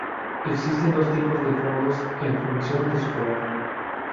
Existen dos tipos de fondos en función de su color.